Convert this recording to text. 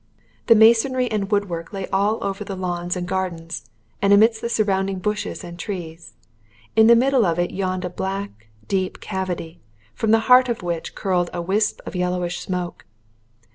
The masonry and woodwork lay all over lawns and gardens, and amidst the surrounding bushes and trees. In the middle of it yawned a black, deep cavity, from the heart of which curled a wisp of yellowish smoke.